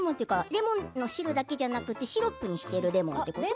レモンの汁だけじゃなくてシロップにしているレモンということ？